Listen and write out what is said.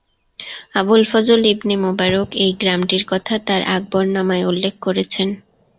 আবুল ফজল ইবনে মুবারক এই গ্রামটির কথা তার "আকবরনামায়" উল্লেখ করেছেন।